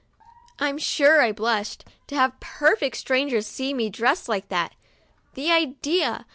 I'm sure I blushed, to have perfect strangers see me dressed like that ! The idea